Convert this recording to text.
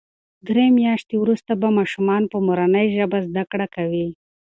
درې میاشتې وروسته به ماشومان په مورنۍ ژبه زده کړه کوي.